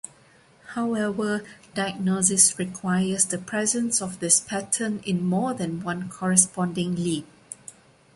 However, diagnosis requires the presence of this pattern in more than one corresponding lead.